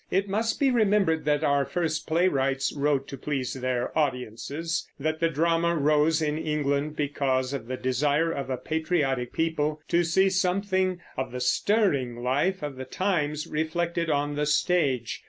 It must be remembered that our first playwrights wrote to please their audiences; that the drama rose in England because of the desire of a patriotic people to see something of the stirring life of the times reflected on the stage.